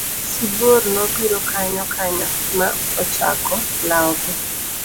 Sibuor nobiro kanyo kanyo ma ochako lawogi.